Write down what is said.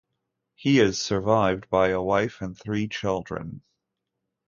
He is survived by a wife and three children.